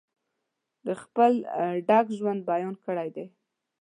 د خپل ډک ژوند بیان کړی دی.